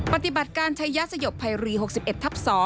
ปฏิบัติการใช้ยาสยบไพรี๖๑ทับ๒